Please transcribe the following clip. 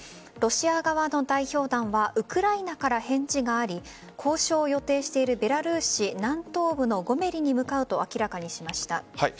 ロシア側の代表団はウクライナから返事があり交渉を予定しているベラルーシ南東部のゴメリに向かうと明らかにしました。